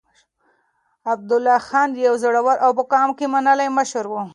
عبدالله خان يو زړور او په قوم کې منلی مشر و.